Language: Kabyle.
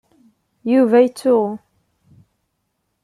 Yuba yettsuɣu.